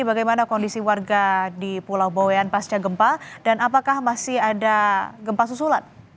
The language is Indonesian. bagaimana kondisi warga di pulau boyan pasca gempa dan apakah masih ada gempa susulan